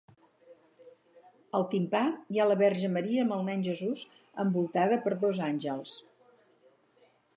Al timpà hi ha la Verge Maria amb el Nen Jesús envoltada per dos àngels.